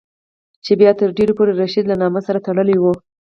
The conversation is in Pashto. چې بیا تر ډېرو پورې له رشید له نامه سره تړلی وو.